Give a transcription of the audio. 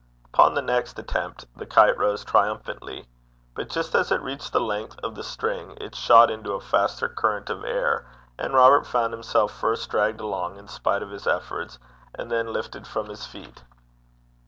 Upon the next attempt, the kite rose triumphantly. But just as it reached the length of the string it shot into a faster current of air, and Robert found himself first dragged along in spite of his efforts, and then lifted from his feet.